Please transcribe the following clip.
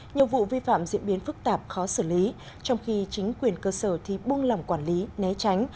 nhiều vụ vi phạm diễn biến phức tạp khó xử lý trong khi chính quyền cơ sở thì buông lòng quản lý né tránh